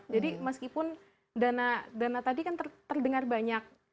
jadi meskipun dana dana tadi kan terdengar banyak